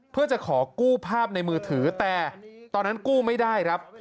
เพื่อจะขอกู้ภาพในมือถือแต่ตอนนั้นกู้ไม่ได้ครับ